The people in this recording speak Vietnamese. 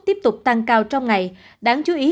tiếp tục tăng cao trong ngày đáng chú ý